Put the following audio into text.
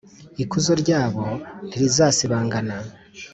ikuzo ryabo ntirizasibangana.